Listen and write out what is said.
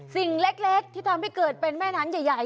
สิ่งเล็กที่ทำให้เกิดเป็นแม่น้ำใหญ่